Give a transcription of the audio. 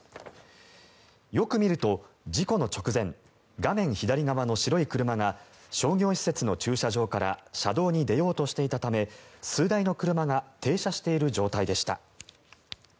よく見ると、事故の直前画面左側の白い車が商業施設の駐車場から車道に出ようとしていたため数台の車が停車している状態でした。